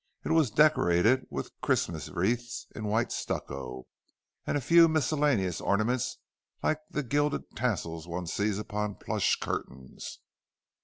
It was decorated with Christmas wreaths in white stucco, and a few miscellaneous ornaments like the gilded tassels one sees upon plush curtains.